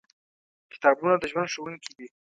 کتابونه د ژوند ښوونکي دي.